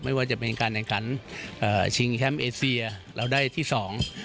ไม่ว่าจะเป็นการแข่งขันเอ่อชิงแชมป์เอเซียเราได้ที่สอง